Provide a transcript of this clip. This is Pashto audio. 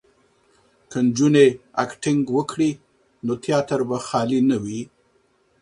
که نجونې اکټینګ وکړي نو تیاتر به خالي نه وي.